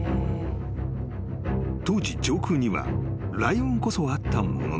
［当時上空には雷雲こそあったものの］